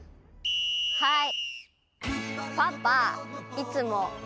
はい。